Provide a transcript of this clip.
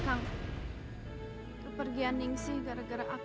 kakang aku pergi ke ningxi karena aku telah menangkap kakang